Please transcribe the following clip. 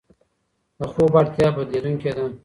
د خوب اړتیا بدلېدونکې ده.